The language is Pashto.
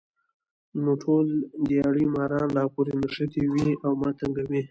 نو ټول دیاړي ماران راپورې نښتي وي ـ او ما تنګوي